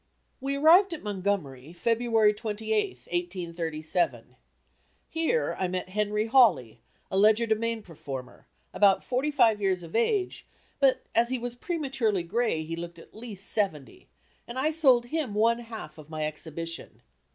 We arrived at Montgomery, February 28th, 1837. Here I met Henry Hawley a legerdemain performer, about forty five years of age, but as he was prematurely gray he looked at least seventy, and I sold him one half of my exhibition.